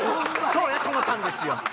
そうやと思ったんですよ。